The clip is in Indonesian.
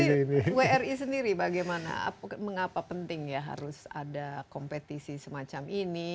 tapi wri sendiri bagaimana mengapa penting ya harus ada kompetisi semacam ini